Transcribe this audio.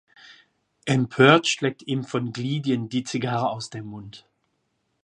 Empört schlägt ihm von Glidien die Zigarre aus dem Mund.